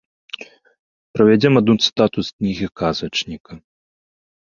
Прывядзём адну цытату з кнігі казачніка.